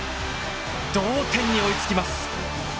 同点に追いつきます。